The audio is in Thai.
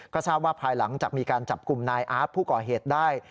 ก็ทราบว่าภายหลังจากมีการจับกลุ่มนายอาร์ตผู้ก่อเหตุได้